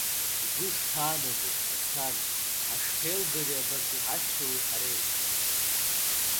Угәы ишԥаанаго, Асҭана, ҳашԥеилгари абарҭ иҳашьҭоуи ҳареи?